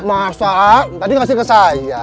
masa tadi kasih ke saya